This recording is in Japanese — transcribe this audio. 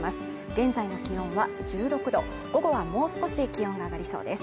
現在の気温は１６度午後はもう少し気温が上がりそうです。